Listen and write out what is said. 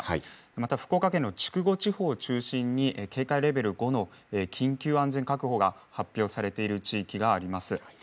また福岡県の筑後地方を中心に警戒レベル５の緊急安全確保が発表されている地域があります。